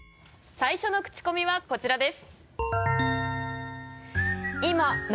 最初のクチコミはこちらです。